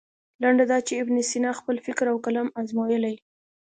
لنډه دا چې ابن سینا خپل فکر او قلم ازمویلی.